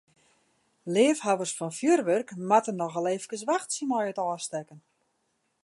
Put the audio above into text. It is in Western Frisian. Leafhawwers fan fjurwurk moatte noch al efkes wachtsje mei it ôfstekken.